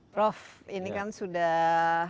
prof ini kan sudah